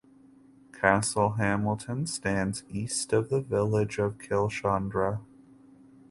Castle Hamilton stands east of the village of Killeshandra.